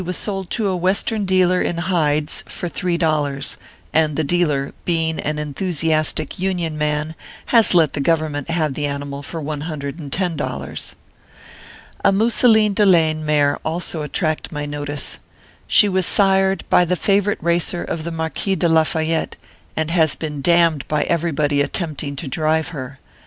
was sold to a Western dealer in hides for three dollars ; and the dealer, being an en thusiastic Union man, has let the Government have the animal for one hundred and ten dollars. A mousseline de laine mare also attracted my notice. She was sired by the favorite racer of the Marquis de Lafayette, and has been damned by everybody at tempting to drive her.